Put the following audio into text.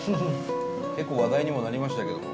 結構話題にもなりましたけども。